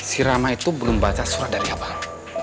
si rama itu belum baca surat dari abang